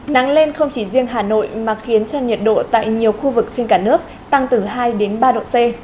nắng lên không chỉ riêng hà nội mà khiến cho nhiệt độ tại nhiều khu vực trên cả nước tăng từ hai đến ba độ c